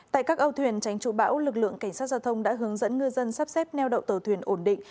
tại các âu thuyền tránh trụ bão lực lượng cảnh sát giao thông đã hướng dẫn ngư dân sắp xếp neo đậu tàu thuyền ổn định